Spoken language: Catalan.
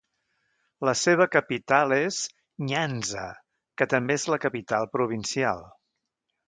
La seva capital és Nyanza, que també és la capital provincial.